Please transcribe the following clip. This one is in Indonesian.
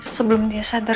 sebelum dia sadar